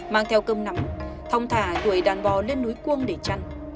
mang theo cơm nằm thông thả tuổi đàn bò lên núi cuông để chăn